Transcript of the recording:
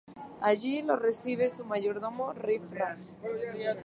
Allí los recibe su mayordomo Riff Raff.